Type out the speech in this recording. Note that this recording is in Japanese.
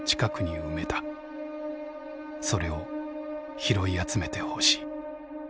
それを拾い集めてほしい。